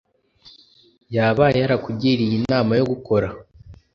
yaba yarakugiriye inama yo gukora?